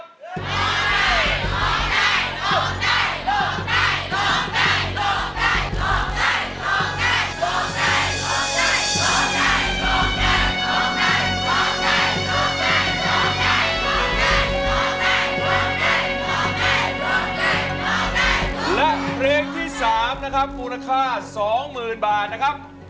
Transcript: โรคใจโรคใจโรคใจโรคใจและเพลงที่๓มูลค่า๒๐๐๐๐บาทนะครับ